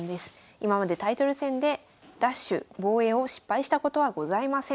今までタイトル戦で奪取防衛を失敗したことはございません。